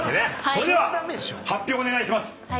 それでは発表お願いします。